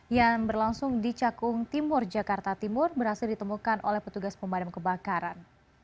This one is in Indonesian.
yang berlangsung di cakung timur jakarta timur berhasil ditemukan oleh petugas pemadam kebakaran